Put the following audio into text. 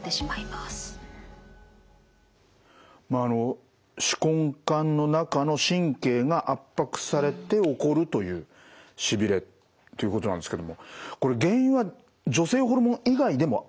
まああの手根管の中の神経が圧迫されて起こるというしびれということなんですけどもこれ原因は女性ホルモン以外でもあるんですか？